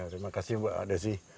terima kasih mbak desi